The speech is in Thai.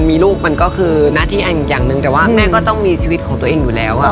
มีลูกมันก็คือหน้าที่อย่างหนึ่งแต่ว่าแม่ก็ต้องมีชีวิตของตัวเองอยู่แล้ว